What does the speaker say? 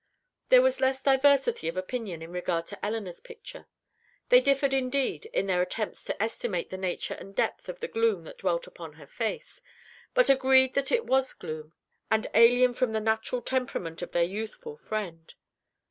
There was less diversity of opinion in regard to Elinor's picture. They differed, indeed, in their attempts to estimate the nature and depth of the gloom that dwelt upon her face, but agreed that it was gloom, and alien from the natural temperament of their youthful friend.